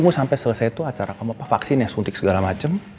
terus sampe selesai tuh acara kamu apa vaksinnya suntik segala macem